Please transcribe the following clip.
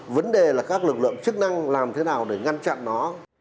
vấn đề là các lực lượng chức năng làm thế nào để ngăn chặn nó